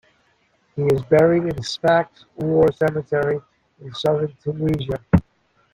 He is buried in Sfax War Cemetery in southern Tunisia.